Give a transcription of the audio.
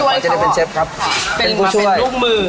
ช่วยเขาออกจะได้เป็นเชฟครับเป็นกูช่วยมาเป็นลูกมือ